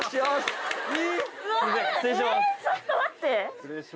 うわちょっと待って！